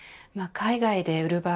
海外で売る場合